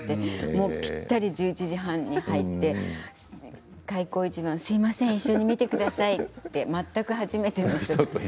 ぴったり１１時半に入って開口一番すいません一緒に見てくださいと全く初めての人と。